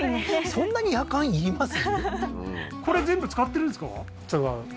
そんなにやかんいります？